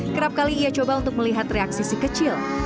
kerap kali ia coba untuk melihat reaksi si kecil